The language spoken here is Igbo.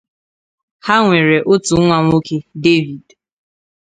Ha nwere otu nwa nwoke David.